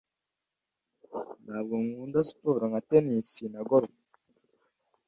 Ntabwo nkunda siporo nka tennis na golf.